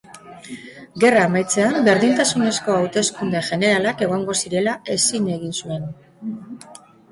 Gerra amaitzean berdintasunezko hauteskunde jeneralak egongo zirela zin egin zuen.